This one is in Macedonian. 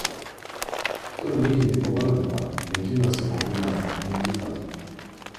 Тој не ги ни помрднува, не ги носи во кујната, не ги фаќа.